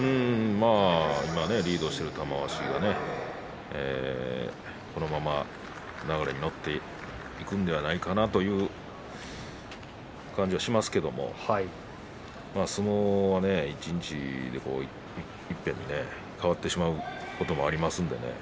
今リードしている玉鷲がこのまま流れに乗っていくんではないかなという感じがしますけれども相撲は一日でいっぺんに変わってしまうことがありますのでね。